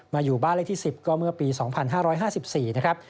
อยู่บ้านเลขที่๑๐ก็เมื่อปี๒๕๕๔นะครับ